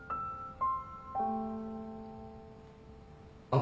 あ。